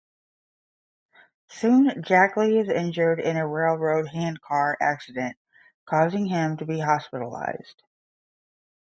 Soon, Jackley is injured in a railroad handcar accident, causing him to be hospitalized.